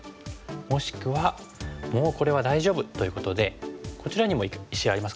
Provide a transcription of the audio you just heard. もしくはもうこれは大丈夫ということでこちらにも石ありますからね。